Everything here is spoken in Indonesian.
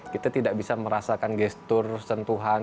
kita tidak bisa merasakan gestur sentuhan